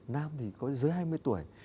nam thì có dưới hai mươi tuổi